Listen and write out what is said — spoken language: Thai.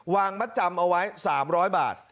มัดจำเอาไว้๓๐๐บาท